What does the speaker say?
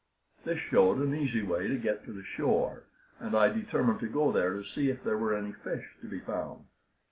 This showed an easy way to get to the shore, and I determined to go there to see if there were any fish to be found.